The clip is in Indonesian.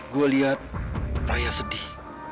gua liat raya sedih